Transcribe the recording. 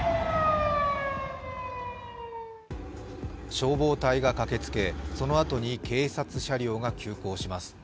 消防隊が駆けつけ、そのあとに警察車両が急行します。